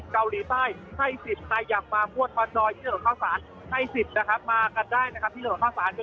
เกาหลีใต้ให้๑๐ใครอยากมามั่วทอนดอยที่สถานการณ์ทะวันเท้าสาน